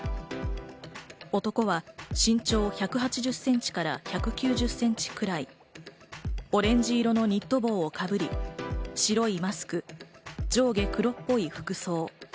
男は身長１８０センチから１９０センチくらい、オレンジ色のニット帽をかぶり、白いマスク、上下黒っぽい服装。